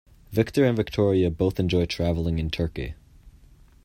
Victor and Victoria both enjoy traveling in Turkey.